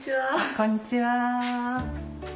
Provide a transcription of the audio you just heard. こんにちは。